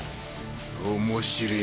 面白え。